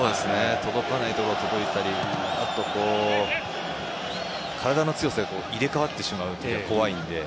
届かないところに届いたり体の強さで入れ替わってしまう時が怖いので。